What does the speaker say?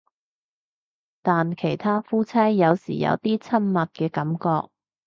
但其他夫妻有時有啲親密嘅感覺